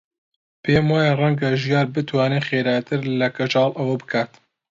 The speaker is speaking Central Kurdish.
پێم وایە ڕەنگە ژیار بتوانێت خێراتر لە کەژاڵ ئەوە بکات.